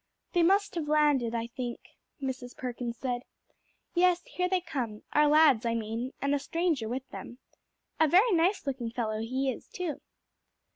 "They must have landed, I think," Mrs. Perkins said. "Yes, here they come; our lads, I mean, and a stranger with them. A very nice looking fellow he is, too."